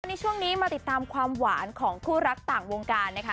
ในช่วงนี้มาติดตามความหวานของคู่รักต่างวงการนะคะ